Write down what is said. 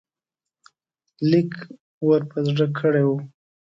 لیک ور په زړه کړی وو.